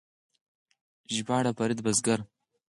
ژباړه فرید بزګر